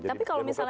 tapi kalau misalnya